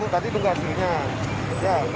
tapi itu nggak aslinya